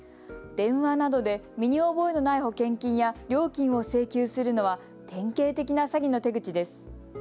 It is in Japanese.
電話などで身に覚えのない保険金や料金を請求するのは典型的な詐欺の手口です。